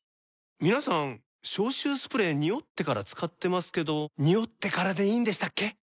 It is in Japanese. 皆さん消臭スプレーニオってから使ってますけどニオってからでいいんでしたっけ？